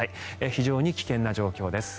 非常に危険な状況です。